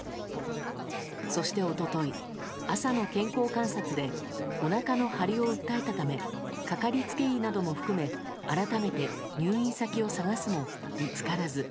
そして、一昨日朝の健康観察でおなかの張りを訴えたためかかりつけ医なども含め改めて入院先を探すも見つからず。